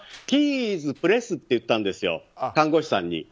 ヒーイズプレスって言ったんです、看護師さんに。